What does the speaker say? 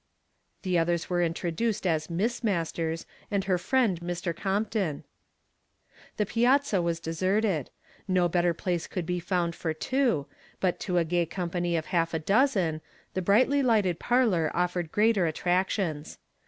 The others were introduced as Miss Masters, and her friend^^b. Compton. The piazza ^W' deserted. No better place could be found for two, but to a gay company of half a dozen, the brightly lighted parlor offered greater attractions.